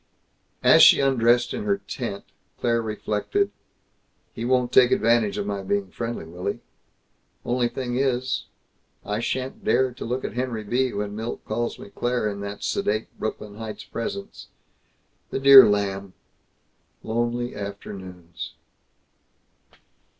As she undressed, in her tent, Claire reflected, "He won't take advantage of my being friendly, will he? Only thing is I sha'n't dare to look at Henry B. when Milt calls me 'Claire' in that sedate Brooklyn Heights presence. The dear lamb! Lonely afternoons